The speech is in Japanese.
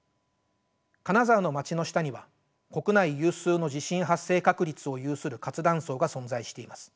金沢の街の下には国内有数の地震発生確率を有する活断層が存在しています。